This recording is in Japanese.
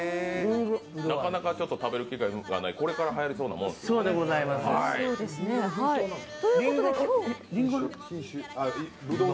なかなか食べる機会がない、これからはやりそうですけど。